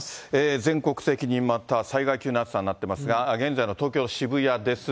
全国的にまた災害級の暑さになってますが、現在の東京・渋谷です。